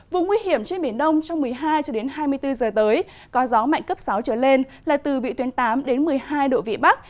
vùng nguy hiểm trên biển đông trong một mươi hai hai mươi bốn giờ tới có gió mạnh cấp sáu trở lên là từ vị tuyến tám một mươi hai độ vị bắc